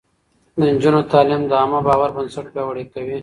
د نجونو تعليم د عامه باور بنسټ پياوړی کوي.